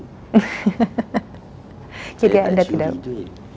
saya tidak curi duit